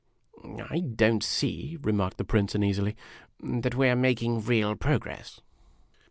" I don't see," remarked the Prince, uneasily, "that we are making real progress."